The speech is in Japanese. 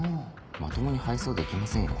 まともに配送できませんよね。